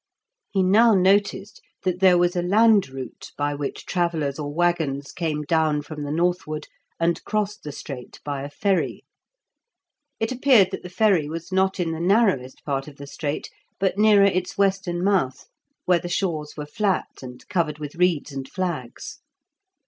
He now noticed that there was a land route by which travellers or waggons came down from the northward, and crossed the strait by a ferry. It appeared that the ferry was not in the narrowest part of the strait, but nearer its western mouth, where the shores were flat, and covered with reeds and flags.